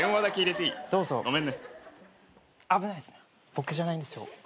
僕じゃないんですよ。